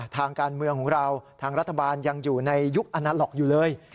ทางการเมืองของเราทางรัฐบาลยังอยู่ในยุคอนาล็อกอยู่เลย